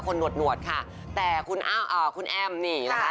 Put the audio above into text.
คนนวดค้าแต่คุณแอ้มนี่นะคะ